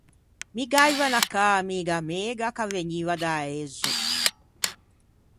Mi gh'aiva unna caa amiga mega ch'a vegniva de Aezzo.